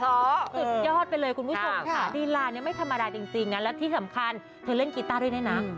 สุดยอดไปเลยคุณผู้ชมค่ะลีลาเนี่ยไม่ธรรมดาจริงนะและที่สำคัญเธอเล่นกีต้าด้วยนะ